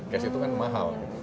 cash itu kan mahal